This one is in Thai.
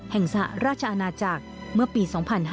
แห่งศระราชอาณาจักรเมื่อปี๒๕๓๓